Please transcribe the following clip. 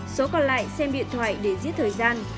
số còn lại xem điện thoại để giết thời gian